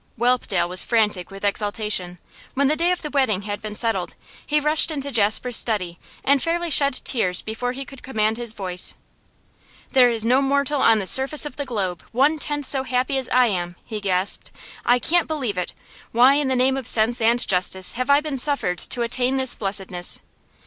Whelpdale was frantic with exultation. When the day of the wedding had been settled, he rushed into Jasper's study and fairly shed tears before he could command his voice. 'There is no mortal on the surface of the globe one tenth so happy as I am!' he gasped. 'I can't believe it! Why in the name of sense and justice have I been suffered to attain this blessedness?